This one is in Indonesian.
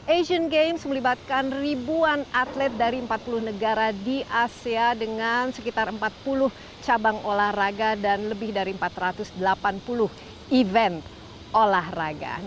asian games melibatkan ribuan atlet dari empat puluh negara di asia dengan sekitar empat puluh cabang olahraga dan lebih dari empat ratus delapan puluh event olahraga